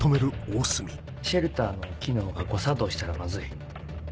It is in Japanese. シェルターの機能が誤作動したらまずい。